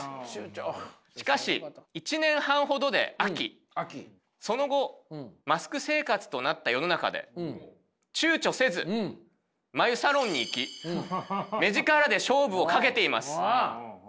しかし１年半ほどで飽きその後マスク生活となった世の中で躊躇せず眉サロンに行き目力で勝負をかけています。